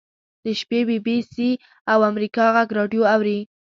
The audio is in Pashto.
د شپې بي بي سي او امریکا غږ راډیو اوري.